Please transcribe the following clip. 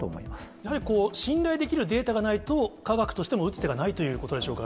やはり信頼できるデータがないと、科学としても打つ手がないということでしょうか。